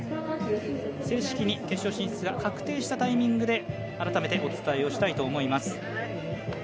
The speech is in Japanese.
正式に決勝進出が確定したタイミングで改めてお伝えをしたいと思います。